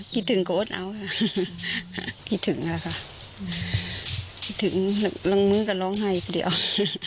คิดถึงล้างมือกันร้องไห้ก็เดี๋ยว